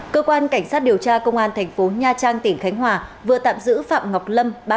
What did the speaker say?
cơ quan cảnh sát điều tra công an thành phố nha trang tỉnh khánh hòa vừa tạm giữ phạm ngọc lâm